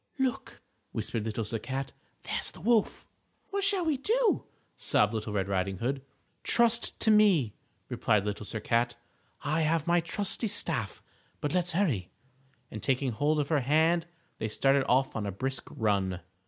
"Look," whispered Little Sir Cat, "there's the wolf." "What shall we do?" sobbed Little Red Riding Hood. "Trust to me," replied Sir Cat, "I have my trusty staff. But let's hurry," and taking hold of her hand they started off on a brisk run.